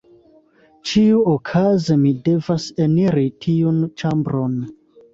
Ĉiuokaze mi devas eniri tiun ĉambron.